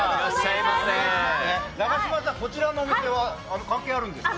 永島さん、こちらのお店は関係あるんですか？